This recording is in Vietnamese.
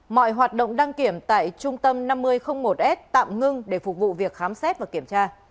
mọi hoạt động đăng kiểm tại trung tâm năm mươi một s tạm ngưng để phục vụ việc khám xét và kiểm tra